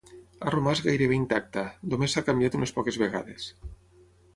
Ha romàs gairebé intacta, només s'ha canviat unes poques vegades.